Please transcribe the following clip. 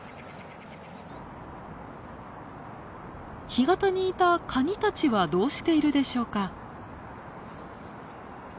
干潟にいたカニたちはどうしているでしょうか？